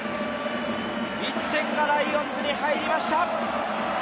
１点がライオンズに入りました。